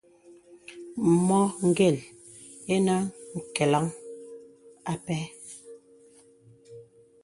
Mɔ gèl ìnə̀ nkelaŋ â pɛ.